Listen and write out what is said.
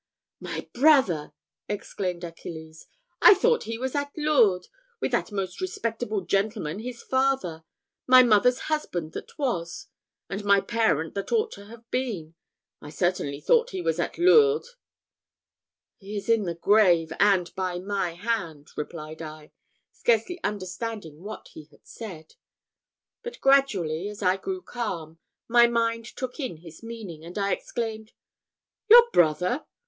"My brother!" exclaimed Achilles; "I thought he was at Lourdes, with that most respectable gentleman his father, my mother's husband that was; and my parent that ought to have been I certainly thought he was at Lourdes." "He is in the grave, and by my hand," replied I, scarcely understanding what he had said; but gradually, as I grew calm, my mind took in his meaning, and I exclaimed, "Your brother!